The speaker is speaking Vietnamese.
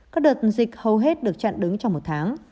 các đợt dịch hầu hết được chặn đứng trong một tháng